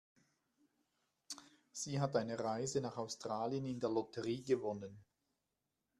Sie hat eine Reise nach Australien in der Lotterie gewonnen.